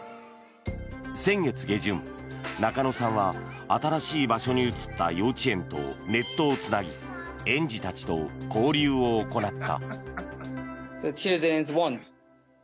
先月下旬、中野さんは新しい場所に移った幼稚園とネットをつなぎ園児たちと交流を行った。